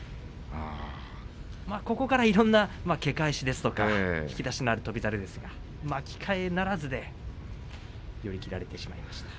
ここからいろいろなけ返しなどの引き出しがある翔猿ですが巻き替えなしで寄り切られてしまいました。